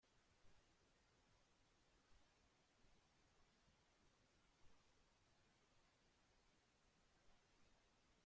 Fue encontrado en Atenas un "prospecto" detallando los objetivos de la liga.